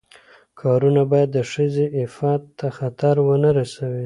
کارونه باید د ښځې عفت ته خطر ونه رسوي.